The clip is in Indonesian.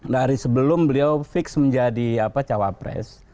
dari sebelum beliau fix menjadi cawapres